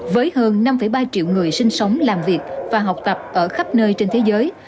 với hơn năm ba triệu người sinh sống làm việc và học tập ở khắp nơi trên thế giới